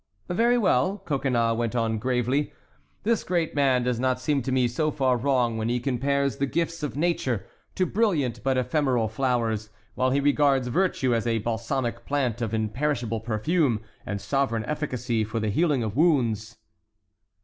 "Very well," Coconnas went on gravely, "this great man does not seem to me so far wrong when he compares the gifts of nature to brilliant but ephemeral flowers, while he regards virtue as a balsamic plant of imperishable perfume and sovereign efficacy for the healing of wounds."